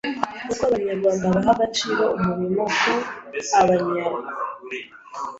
Uko abanyarwanda baha agaciro umurimo ko a b a n yarwa